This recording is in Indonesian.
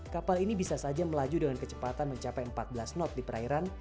kapal ini bisa saja melaju dengan kecepatan mencapai empat belas knot di perairan